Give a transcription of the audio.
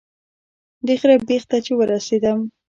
د غره بیخ ته چې ورسېدم.